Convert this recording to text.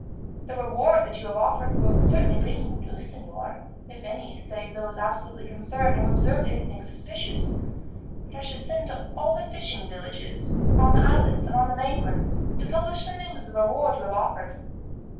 "The reward that you have offered will certainly bring you news, signor, if any, save those absolutely concerned, have observed anything suspicious; but I should send to all the fishing villages, on the islets and on the mainland, to publish the news of the reward you have offered.